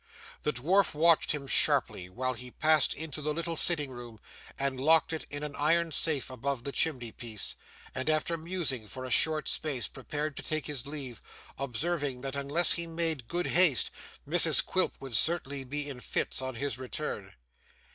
The dwarf watched him sharply, while he passed into the little sitting room and locked it in an iron safe above the chimney piece; and after musing for a short space, prepared to take his leave, observing that unless he made good haste, Mrs Quilp would certainly be in fits on his return.